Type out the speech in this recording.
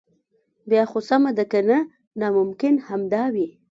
بیا خو سمه ده کنه ناممکن همدا وي.